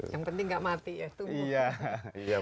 yang penting nggak mati ya iya